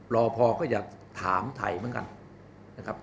รอพอก็อยากถามไทยเหมือนกันนะครับ